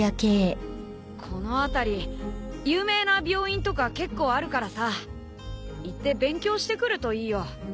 この辺り有名な病院とか結構あるからさ行って勉強してくるといいよ。